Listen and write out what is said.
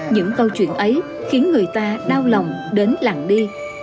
những câu chuyện ấy khiến người ta đau lòng đến làng đi